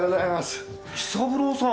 紀三郎さん。